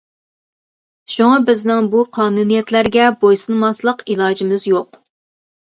شۇڭا بىزنىڭ بۇ قانۇنىيەتلەرگە بويسۇنماسلىق ئىلاجىمىز يوق.